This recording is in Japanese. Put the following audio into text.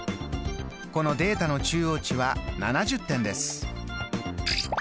このデータの中央値は７０点です。